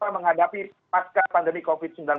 menghadapi pasca pandemi covid sembilan belas